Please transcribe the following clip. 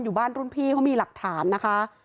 อยู่บ้านรุ่นพี่เขามีหลักฐานนะคะ